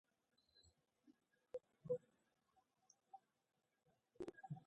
تالابونه د افغانستان د جغرافیوي تنوع مثال دی.